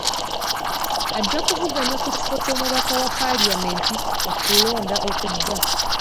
Ajja kuvuganya ku kifo ky'omubaka wa palamenti mu kulonda okujja.